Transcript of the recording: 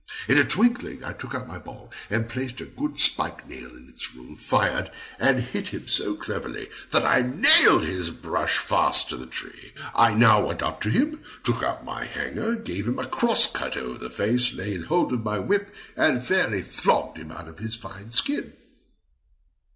In a twinkling I took out my ball, and placed a good spike nail in its room, fired, and hit him so cleverly that I nailed his brush fast to the tree. I now went up to him, took out my hanger, gave him a cross cut over the face, laid hold of my whip, and fairly flogged him out of his fine skin.